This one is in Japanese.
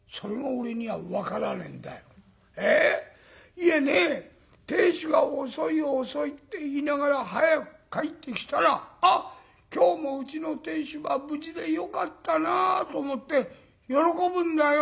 いえね亭主が遅い遅いって言いながら早く帰ってきたら『あっ今日もうちの亭主が無事でよかったなあ』と思って喜ぶんだよ。